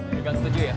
di gang tujuh ya